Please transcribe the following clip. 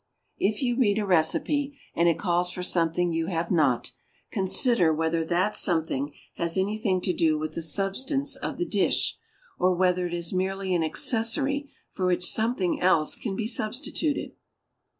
If you read a recipe, and it calls for something you have not, consider whether that something has anything to do with the substance of the dish, or whether it is merely an accessory for which something else can be substituted.